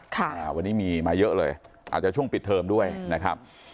ค่ะอ่าวันนี้มีมาเยอะเลยอาจจะช่วงปิดเทอมด้วยนะครับ